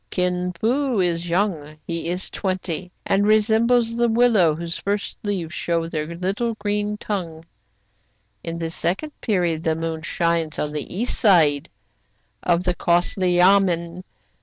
Kin Fo is young, — he is twenty, — and resembles the willow whose first leaves show their little green tongue. " In the second period the moon shines on the east side of the costly yamen.